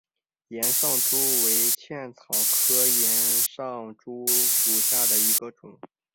岩上珠为茜草科岩上珠属下的一个种。